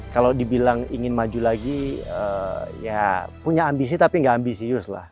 kalau dibilang ingin maju lagi ya punya ambisi tapi nggak ambisius lah